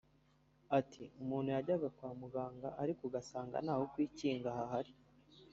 Ati «Umuntu yajyaga kwa muganga ariko ugasanga ntaho kwikinga hahari